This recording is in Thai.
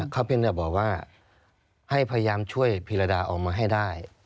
เขาเพียงแต่บอกว่าให้พยายามช่วยพิรดาออกมาให้ได้